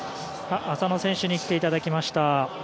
浅野選手に来ていただきました。